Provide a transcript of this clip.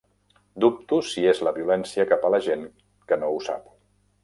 Dubto si és la violència cap a la gent que no ho sap.